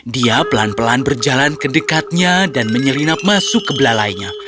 dia pelan pelan berjalan ke dekatnya dan menyelinap masuk ke belalainya